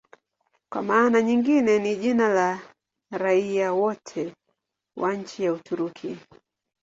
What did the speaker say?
Kwa maana nyingine ni jina la raia wote wa nchi ya Uturuki.